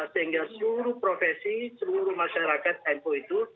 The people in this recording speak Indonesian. sehingga seluruh profesi seluruh masyarakat nu itu